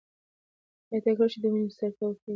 ایا ته کولای شې چې د ونې سر ته وخیژې؟